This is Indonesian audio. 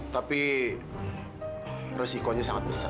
tapi resikonya sangat besar